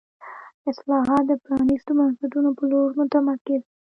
اصلاحات د پرانیستو بنسټونو په لور متمرکز وو.